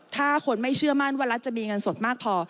ถ้าคนไม่เชื่อมั่นว่ารัฐจะมีเงินสดมากพอ